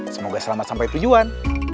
semoga selamat sampai tujuan